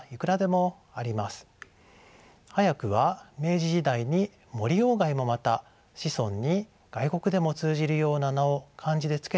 早くは明治時代に森外もまた子孫に外国でも通じるような名を漢字で付けていました。